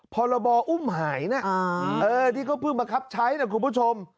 พรบอุ้มหายนะที่เขาเพิ่งบังคับใช้นะคุณผู้ชม